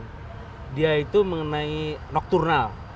tentu saja itu mengenai nocturnal